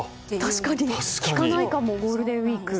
確かに、聞かないかもゴールデンウィーク。